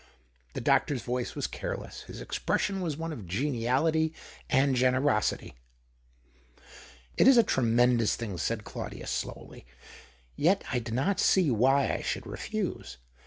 The doctor's voice was careless : his ex pression was one of geniality and generosity. " It is a tremendous thing," said Claudius, slowly. "Yet I do not see why I should refuse.